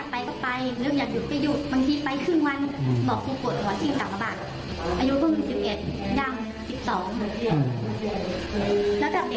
แล้วก็ไปโรงเรียนวันไหนเรื่องอยากไปก็ไป